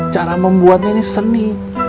cara membuatnya ini seni